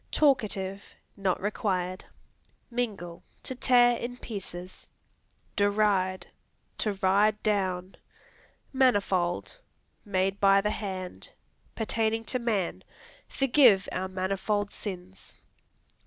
Talkative. Not required. Mingle To tear in pieces. Deride To ride down. Manifold Made by the hand. Pertaining to man; "Forgive our manifold sins."